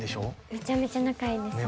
めちゃめちゃ仲いいですね